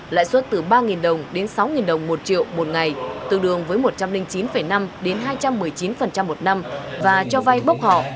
lãi suất từ ba đồng đến sáu đồng một triệu một ngày tương đương với một trăm linh chín năm đến hai trăm một mươi chín một năm và cho vay bốc họ